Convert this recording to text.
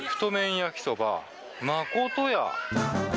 焼きそば、まことや。